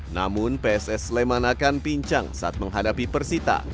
namun pss sleman akan pincang saat menghadapi persita